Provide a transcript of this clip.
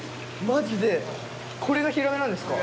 マジでこれがヒラメなんですか？